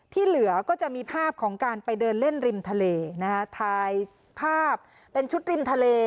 เหลือก็จะมีภาพของการไปเดินเล่นริมทะเลนะฮะถ่ายภาพเป็นชุดริมทะเล